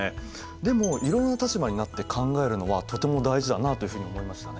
でもいろいろな立場になって考えるのはとても大事だなというふうに思いましたね。